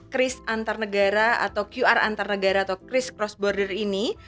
kris antar negara atau qr antar negara atau cris cross border ini